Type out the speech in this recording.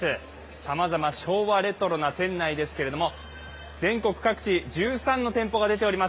さまざま、昭和レトロな店内ですけど全国各地１３の店舗が出ております。